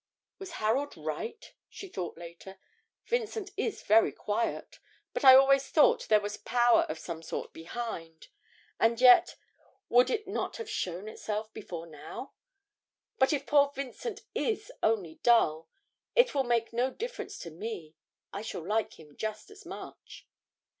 'Was Harold right?' she thought later. 'Vincent is very quiet, but I always thought there was power of some sort behind; and yet would it not have shown itself before now? But if poor Vincent is only dull, it will make no difference to me; I shall like him just as much.'